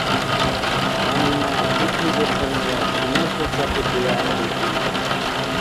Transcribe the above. Гьанна пикридухъеная, чинаб бучӀахъути вегӀла дурхӀни?